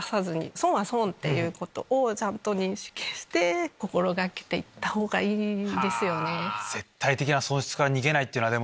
損は損っていうことをちゃんと認識して心がけていった方がいいですよね。